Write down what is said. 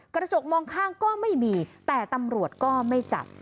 กระจกมองข้างก็ไม่มีแต่ตำรวจก็ไม่จับ